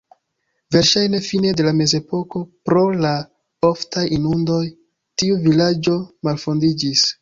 Verŝajne fine de la mezepoko pro la oftaj inundoj tiu vilaĝo malfondiĝis.